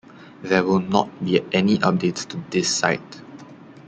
There will not be any updates to this site.